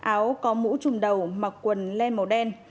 áo có mũ trùm đầu mặc quần lên màu đen